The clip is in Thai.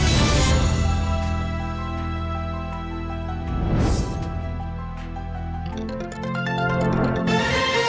สวัสดีครับ